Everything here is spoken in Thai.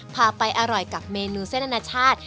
พาไปอร่อยกับเมนูเส้นอนาชาติ